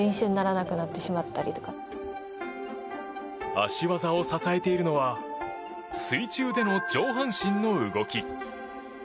脚技を支えているのは水中での上半身の動き。